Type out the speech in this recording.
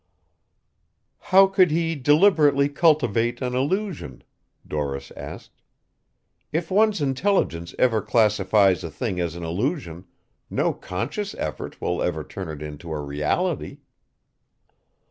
"How could he deliberately cultivate an illusion?" Doris asked. "If one's intelligence ever classifies a thing as an illusion, no conscious effort will ever turn it into a reality."